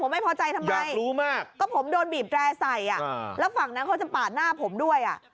ไม่พอใจทำไมรู้มากก็ผมโดนบีบแร่ใส่อ่ะแล้วฝั่งนั้นเขาจะปาดหน้าผมด้วยอ่ะ